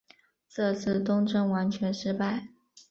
这次东征完全失败。